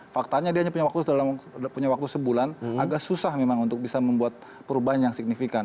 faktanya dia hanya punya waktu sebulan agak susah memang untuk bisa membuat perubahan yang signifikan